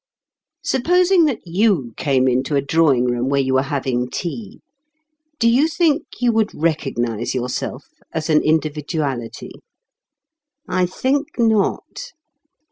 Supposing that you came into a drawing room where you were having tea, do you think you would recognize yourself as an individuality? I think not.